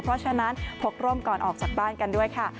เพราะฉะนั้นพกร่มก่อนออกจากบ้านกันด้วยค่ะ